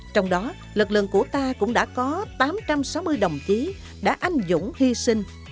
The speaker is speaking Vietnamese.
trong đó lực lượng của ta cũng đã có tám trăm sáu mươi đồng chí đã anh dũng hy sinh